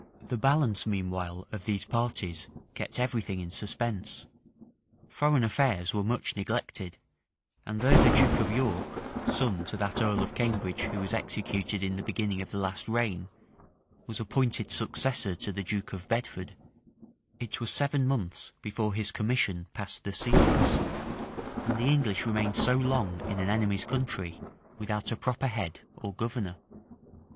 The balance, meanwhile, of these parties, kept every thing in suspense; foreign affairs were much neglected; and though the duke of York, son to that earl of Cambridge who was executed in the beginning of the last reign, was appointed successor to the duke of Bedford, it was seven months before his commission passed the seals; and the English remained so long in an enemy's country, without a proper head or governor.